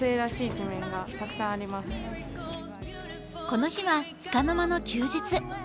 この日はつかの間の休日。